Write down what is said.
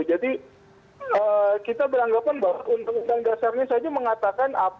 jadi kita beranggapan bahwa undang undang dasarnya saja mengatakan